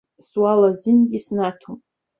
Суал азингьы снаҭом.